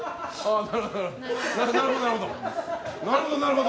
なるほど、なるほど。